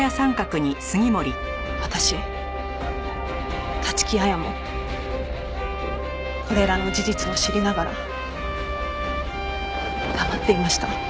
私立木彩もこれらの事実を知りながら黙っていました。